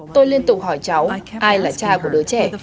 tôi liên tục hỏi cháu ai là cha của đứa trẻ